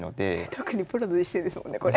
特にプロの実戦ですもんねこれ。